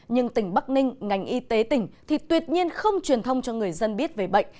nhưng tỉnh bắc ninh ngành y tế tỉnh thì tuyệt nhiên không truyền thông cho người dân biết về bệnh